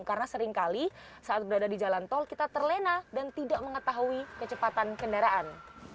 karena seringkali saat berada di jalan tol kita terlena dan tidak mengetahui kecepatan kendaraan